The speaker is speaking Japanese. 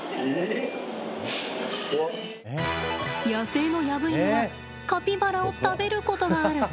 野生のヤブイヌはカピバラを食べることがある。